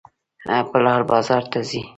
پلار بازار ته ځي.